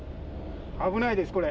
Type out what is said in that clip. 危ないです、これ。